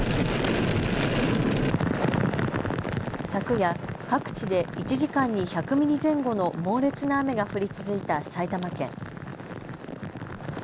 昨夜、各地で１時間に１００ミリ前後の猛烈な雨が降り続いた埼玉県。